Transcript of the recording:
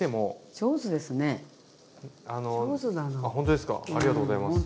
ありがとうございます。